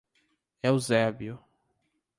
Eusébio